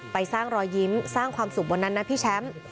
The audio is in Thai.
ไปสร้างรอยยิ้มสร้างความสุขบนนั้นนะพี่แชมป์